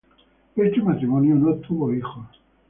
Este matrimonio no tuvo hijos.